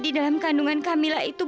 di dalam panduan kamila itu